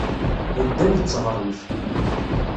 Yeddan d teɣremt.